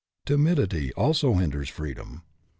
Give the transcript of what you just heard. Timidity also hinders freedom.